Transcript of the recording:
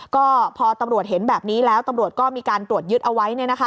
ก็พอตำรวจเห็นแบบนี้แล้วตำรวจก็มีการตรวจยึดเอาไว้